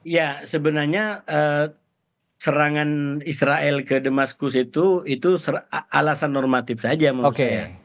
ya sebenarnya serangan israel ke demaskus itu itu alasan normatif saja menurut saya